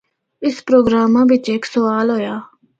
اُس پروگراما بچ ہک سوال ہویا۔